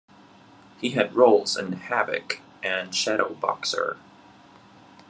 He had roles in "Havoc" and "Shadowboxer".